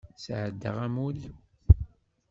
Sεeddaɣ amur-iw.